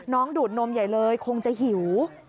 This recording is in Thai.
ดูดนมใหญ่เลยคงจะหิว